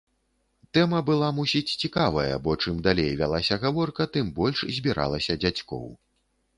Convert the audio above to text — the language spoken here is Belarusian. Тэма была мусіць цікавая, бо чым далей вялася гаворка, тым больш збіралася дзядзькоў.